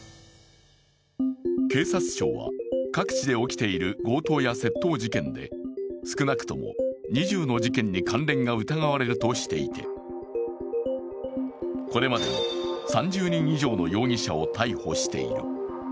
警察庁は、各地で起きている強盗や窃盗事件で、少なくとも２０の事件に関連が疑われるとしていてこれまでに３０人以上の容疑者を逮捕している。